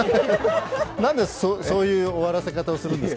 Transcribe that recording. なんでそういう終わらせ方するんですか？